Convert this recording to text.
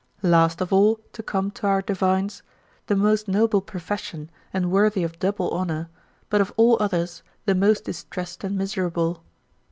Last of all to come to our divines, the most noble profession and worthy of double honour, but of all others the most distressed and miserable.